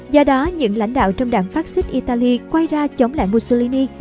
do đó những lãnh đạo trong đảng fascist italy quay ra chống lại mussolini